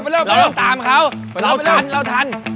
เราตามเขาเราถังเราถัง